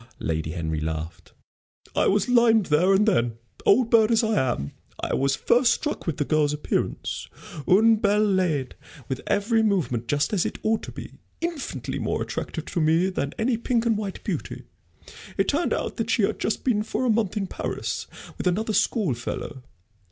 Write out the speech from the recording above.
Lady Henry laughed. "I was limed, there and then, old bird as I am. I was first struck with the girl's appearance une belle laide with every movement just as it ought to be; infinitely more attractive to me than any pink and white beauty. It turned out that she had just been for a month in Paris with another school fellow.